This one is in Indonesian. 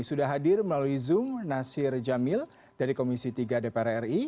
sudah hadir melalui zoom nasir jamil dari komisi tiga dpr ri